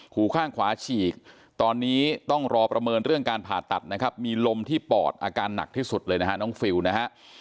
หูข้างขวาฉีกตอนนี้ต้องรอประเมินเรื่องการผ่าตัดนะครับมีลมที่ปอดอาการหนักที่สุดเลยนะฮะน้องฟิลนะฮะ